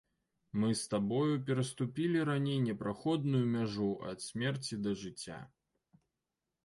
Мы з табою пераступілі раней непраходную мяжу ад смерці да жыцця.